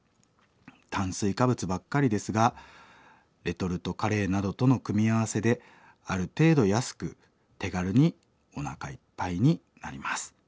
炭水化物ばっかりですがレトルトカレーなどとの組み合わせである程度安く手軽におなかいっぱいになります。